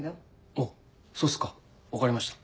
おっそうっすか分かりました。